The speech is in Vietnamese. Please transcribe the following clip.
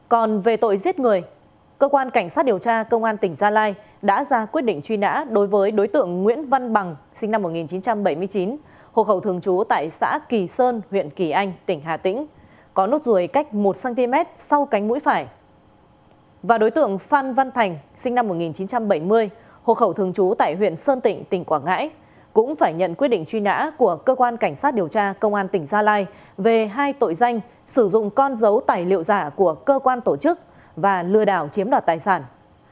cơ quan cảnh sát điều tra công an tỉnh gia lai đã ra quyết định truy nã đối với đối tượng phan văn thành sinh năm một nghìn chín trăm bảy mươi hộ khẩu thường trú tại huyện sơn tịnh tỉnh quảng ngãi cũng phải nhận quyết định truy nã của cơ quan cảnh sát điều tra công an tỉnh gia lai về hai tội danh sử dụng con dấu tài liệu giả của cơ quan tổ chức và lừa đảo chiếm đoạt tài sản